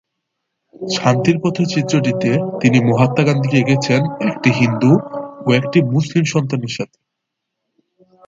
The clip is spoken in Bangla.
শান্তির পথে চিত্রটিতে তিনি মহাত্মা গান্ধীকে এঁকেছেন একটি হিন্দু ও একটি মুসলিম সন্তানের সাথে।